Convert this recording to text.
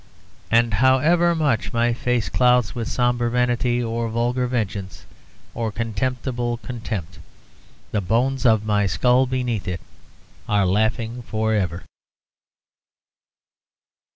And, however much my face clouds with sombre vanity, or vulgar vengeance, or contemptible contempt, the bones of my skull beneath it are laughing for ever.